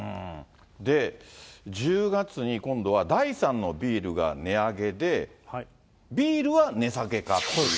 で、１０月に今度は第３のビールが値上げで、ビールは値下げかという。